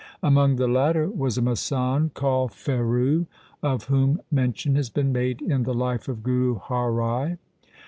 Among the latter was a masand called Pheru, of whom mention has been made in the life of Guru Har Rai.